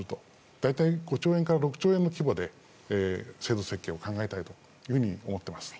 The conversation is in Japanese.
大体５兆円から６兆円の規模で制度設計を考えたいと思っています。